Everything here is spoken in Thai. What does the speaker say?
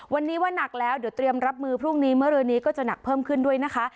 วันนี้ว่านักแล้วเดี๋ยวเตรียมรับมือพรุ่งนี้เมื่อรือนี้ก็จะหนักเพิ่มขึ้นด้วยนะคะ